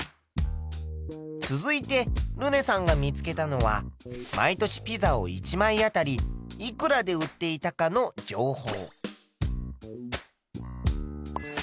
続いてルネさんが見つけたのは毎年ピザを１枚あたりいくらで売っていたかの情報。